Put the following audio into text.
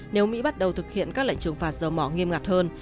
nếu mỹ bắt đầu thực hiện các lệnh trừng phạt dầu mỏ nghiêm ngặt hơn